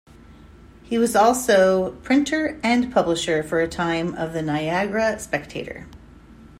He also was printer and publisher for a time of the "Niagara Spectator".